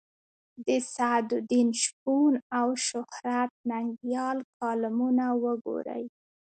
د سعدالدین شپون او شهرت ننګیال کالمونه وګورئ.